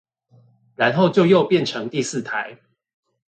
然後就又變成第四台